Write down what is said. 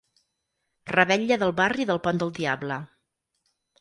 Revetlla del barri del Pont del Diable.